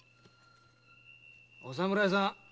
お侍さん